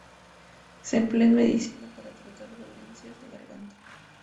Se emplea en medicina, para tratar dolencias de garganta.